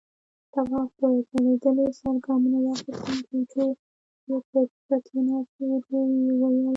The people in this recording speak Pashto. تواب په ځړېدلي سر ګامونه واخيستل، جُوجُو يې پر اوږه کېناست، ورو يې وويل: